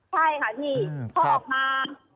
ใช่ค่ะทีนี้